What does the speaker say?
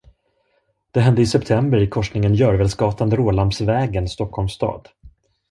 Det hände i september i korsningen Gjörwellsgatan - Rålambsvägen, Stockholms stad.